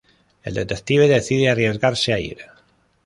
El detective decide arriesgarse a ir.